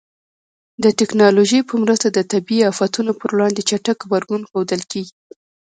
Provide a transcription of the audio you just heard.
د ټکنالوژۍ په مرسته د طبیعي آفاتونو پر وړاندې چټک غبرګون ښودل کېږي.